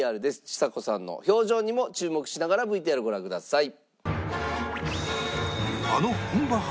ちさ子さんの表情にも注目しながらＶＴＲご覧ください。